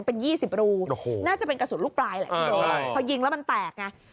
เป็น๒๐รูน่าจะเป็นกระสุนลูกปลายแหละพอยิงแล้วมันแตกไง